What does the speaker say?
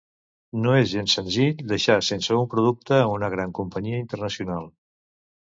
No és gens senzill deixar sense un producte a una gran companyia internacional